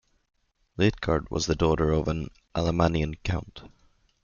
Luitgard was the daughter of an Alamannian count.